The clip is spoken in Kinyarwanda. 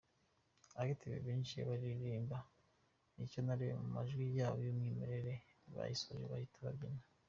Active binjiye baririmba ‘Nicyo naremewe’ mu majwi yabo y’umwimerere bayisoje bahita babyina.